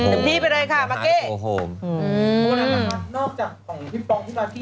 ประมาณนั้นครับนอกจากของพี่ปองป๊อร์พี่ปาร์ตี้